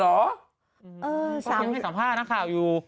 เออคุณค่ะมีสัมภาษณ์ข้างหน้าข่าวอยู่